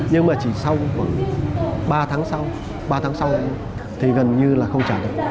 nhưng mà chỉ sau khoảng ba tháng sau ba tháng sau thì gần như là không trả được